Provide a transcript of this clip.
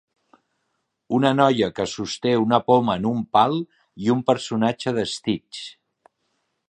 Una noia que sosté una poma en un pal i un personatge de Stitch.